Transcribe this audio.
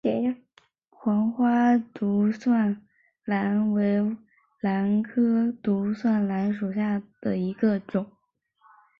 黄花独蒜兰为兰科独蒜兰属下的一个种。